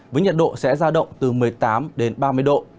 với nhật độ sẽ giao động từ một mươi tám đến ba mươi độ